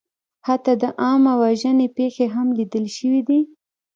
حتی د عامهوژنې پېښې هم لیدل شوې دي.